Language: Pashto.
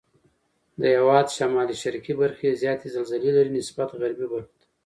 د هېواد شمال شرقي برخې زیاتې زلزلې لري نسبت غربي برخو ته.